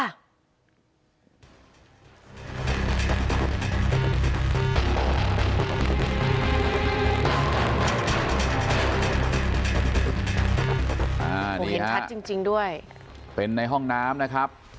โอ้โหเห็นชัดจริงจริงด้วยเป็นในห้องน้ำนะครับ